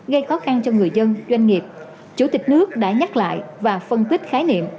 gây khó khăn cho người dân doanh nghiệp chủ tịch nước đã nhắc lại và phân tích khái niệm